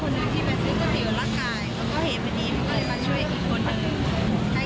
แล้วก็มีเค้าถามว่าแกเป็นร่วมอะไรเปล่า